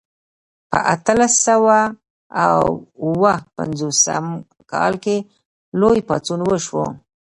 په اتلس سوه او اووه پنځوسم کال کې لوی پاڅون وشو.